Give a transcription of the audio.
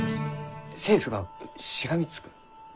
政府がしがみつく？